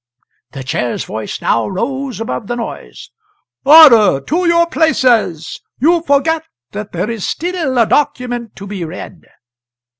The Chair's voice now rose above the noise: "Order! To your places! You forget that there is still a document to be read."